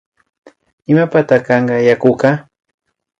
Imapata kanka yakuka